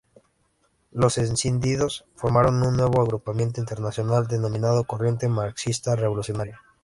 Los escindidos formaron un nuevo agrupamiento internacional denominado Corriente Marxista Revolucionaria.